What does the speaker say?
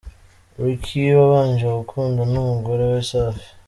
Rick wabanje gukunda n’umugore wa Safi.